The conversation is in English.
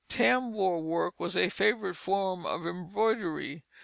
Tambour work was a favorite form of embroidery.